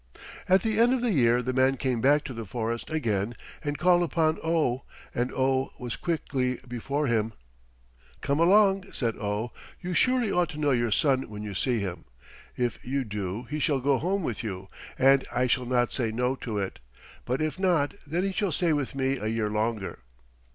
At the end of the year the man came back to the forest again and called upon Oh, and Oh was quickly before him. "Come along," said Oh. "You surely ought to know your son when you see him. If you do he shall go home with you, and I shall not say no to it, but if not then he shall stay with me a year longer."